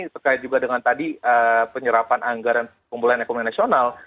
terkait juga dengan tadi penyerapan anggaran pemulihan ekonomi nasional